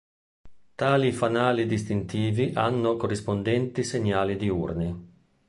Tali fanali distintivi hanno corrispondenti segnali diurni.